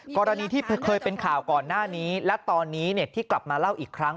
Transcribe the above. กรณีที่เคยเป็นข่าวก่อนหน้านี้และตอนนี้ที่กลับมาเล่าอีกครั้ง